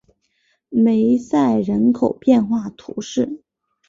梅塞人口变化图示